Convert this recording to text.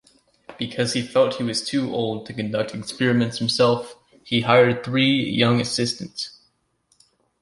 Because he felt he was to old to conduct experiments himself, he hired three young assistants.